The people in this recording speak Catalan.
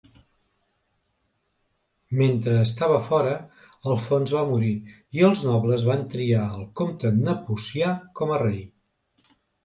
Mentre estava fora, Alfons va morir, i els nobles van triar el Comte Nepocià com a rei.